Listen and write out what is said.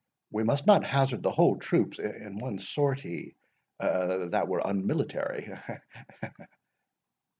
We must not hazard the whole troops in one sortie—that were unmilitary—Ha, ha, ha!"